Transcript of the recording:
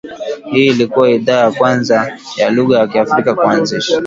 Hii ilikua idhaa ya kwanza ya lugha ya Kiafrika kuanzisha